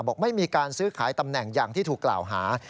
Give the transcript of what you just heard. ไม่มีการซื้อขายตำแหน่งอย่างที่ถูกกล่าวหา